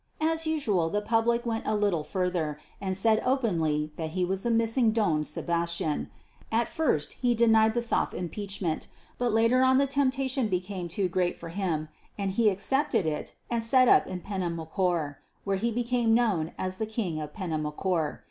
As usual the public went a little further and said openly that he was the missing Don Sebastian. At first he denied the soft impeachment, but later on the temptation became too great for him and he accepted it and set up in Penamacor, where he became known as the "King of Penamacor."